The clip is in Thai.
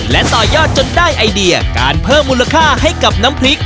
และต่อยอดจนได้ไอเดียการเพิ่มมูลค่าให้กับน้ำพริก